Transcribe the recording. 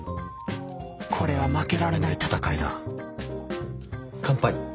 これは負けられない戦いだ乾杯。